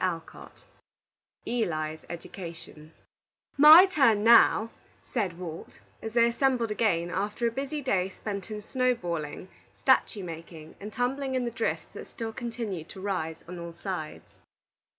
ELI'S EDUCATION "My turn now," said Walt, as they assembled again, after a busy day spent in snow balling, statue making, and tumbling in the drifts that still continued to rise on all sides.